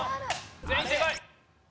全員正解！